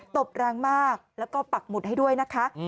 ตบแรงมากแล้วก็ปักหมุดให้ด้วยนะคะ